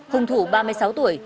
hùng thủ ba mươi sáu tuổi